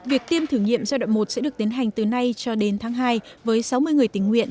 việc tiêm thử nghiệm giai đoạn một sẽ được tiến hành từ nay cho đến tháng hai với sáu mươi người tình nguyện